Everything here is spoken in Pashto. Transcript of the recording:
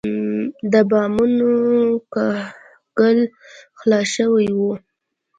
د بامونو کاهګل خلاص شوی و.